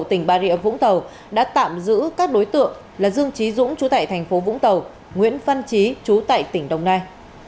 tỉnh bà rịa vũng tàu đã tạm giữ các đối tượng là dương trí dũng chú tại thành phố vũng tàu nguyễn văn trí chú tại tỉnh đồng nai